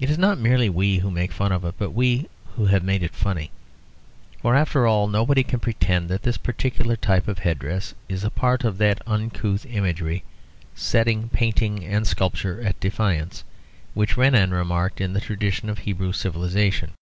It is not merely we who make fun of it, but we who have made it funny. For, after all, nobody can pretend that this particular type of head dress is a part of that uncouth imagery "setting painting and sculpture at defiance" which Renan remarked in the tradition of Hebrew civilisation.